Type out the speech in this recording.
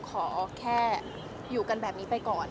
เป็นเรื่องแบบนี้ไปก่อน